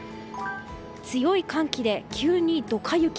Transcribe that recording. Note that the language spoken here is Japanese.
強い寒気で急にドカ雪。